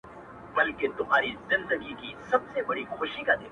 • کښته راغی ورته کښېنستی پر مځکه,